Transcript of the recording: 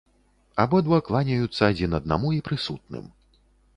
Абодва кланяюцца адзін аднаму і прысутным.